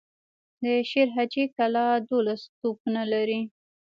د شير حاجي کلا دولس توپونه لري.